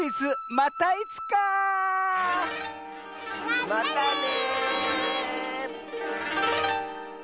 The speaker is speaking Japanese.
またね！